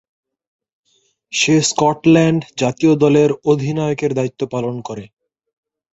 সে Scotland জাতীয় দলের অধিনায়কের দায়িত্ব পালন করে।